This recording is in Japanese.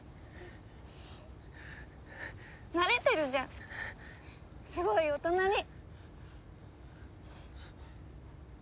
なれてるじゃんすごい大人に。